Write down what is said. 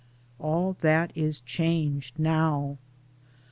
All that is changed now.